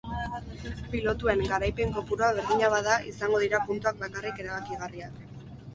Pilotuen garaipen kopurua berdina bada izango dira puntuak bakarrik erabakigarriak.